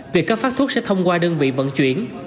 việc cấp phát thuốc sẽ thông qua đơn vị vận chuyển